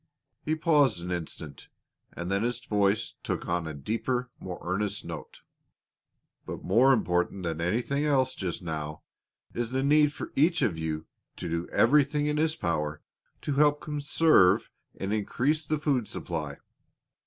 He paused an instant, and then his voice took on a deeper, more earnest note. "But more important than anything else just now is the need for each one of you to do everything in his power to help conserve and increase the food supply.